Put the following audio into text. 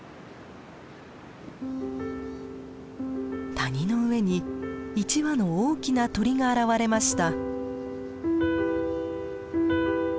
谷の上に１羽の大きな鳥が現れました。